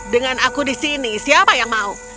dengan aku di sini siapa yang mau